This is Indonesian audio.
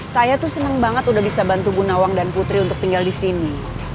saya tuh seneng banget udah bisa bantu bunawang dan putri untuk tinggal di sini